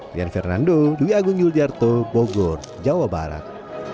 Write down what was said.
lian fernando dwi agung yul yarto bogor jawa barat